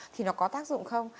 thì nó có tác dụng không